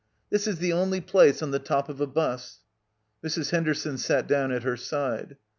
"This is the only place on the top of a bus." Mrs. Henderson sat down at her side.